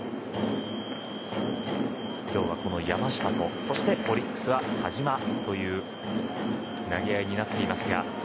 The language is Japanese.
今日は山下とオリックスの田嶋という投げ合いになっていますが。